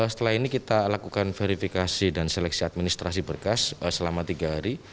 setelah ini kita lakukan verifikasi dan seleksi administrasi berkas selama tiga hari